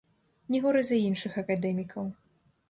Не горай за іншых акадэмікаў.